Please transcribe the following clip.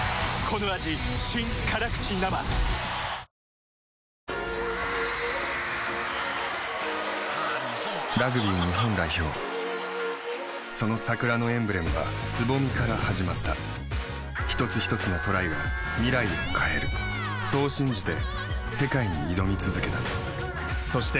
その後のキックも決めると、・ラグビー日本代表その桜のエンブレムは蕾から始まった一つひとつのトライが未来を変えるそう信じて世界に挑み続けたそして